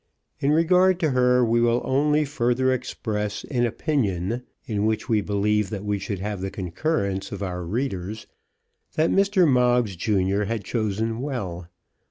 In regard to her we will only further express an opinion, in which we believe that we shall have the concurrence of our readers, that Mr. Moggs junior had chosen well.